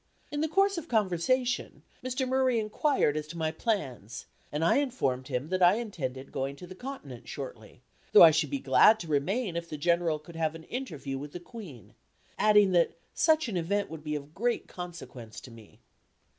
In the course of conversation, Mr. Murray inquired as to my plans, and I informed him that I intended going to the Continent shortly, though I should be glad to remain if the General could have an interview with the Queen adding that such an event would be of great consequence to me.